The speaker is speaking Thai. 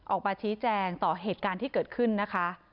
ออกมาชี้แจงต่อเหตุการณ์ที่เกิดขึ้นนะคะ